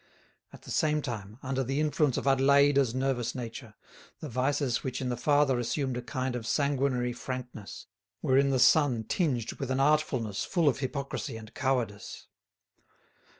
At the same time, under the influence of Adélaïde's nervous nature, the vices which in the father assumed a kind of sanguinary frankness were in the son tinged with an artfulness full of hypocrisy and cowardice.